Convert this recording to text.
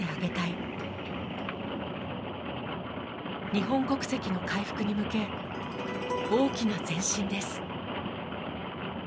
日本国籍の回復に向け大きな前進です。